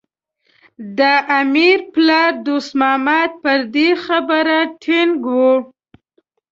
د امیر پلار دوست محمد پر دې خبره ټینګ و.